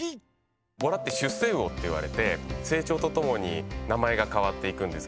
ボラって出世魚っていわれて成長とともに名前が変わっていくんですけども。